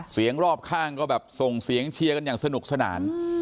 รอบข้างก็แบบส่งเสียงเชียร์กันอย่างสนุกสนาน